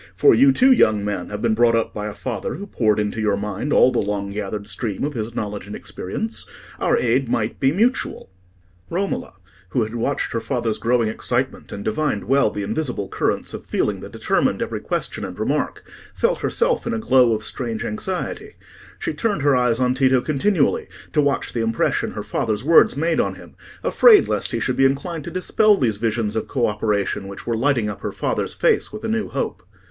For you, too, young man, have been brought up by a father who poured into your mind all the long gathered stream of his knowledge and experience. Our aid might be mutual." Romola, who had watched her father's growing excitement, and divined well the invisible currents of feeling that determined every question and remark, felt herself in a glow of strange anxiety: she turned her eyes on Tito continually, to watch the impression her father's words made on him, afraid lest he should be inclined to dispel these visions of co operation which were lighting up her father's face with a new hope.